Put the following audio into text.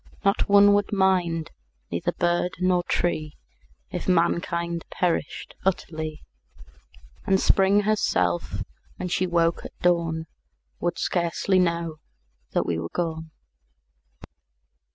Not one would mind, neither bird nor tree If mankind perished utterly; And Spring herself, when she woke at dawn, Would scarcely know that we were gone.